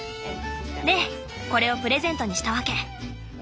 でこれをプレゼントにしたわけ。